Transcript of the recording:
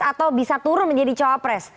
atau bisa turun menjadi cawapres